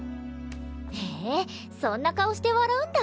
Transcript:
へえそんな顔して笑うんだ。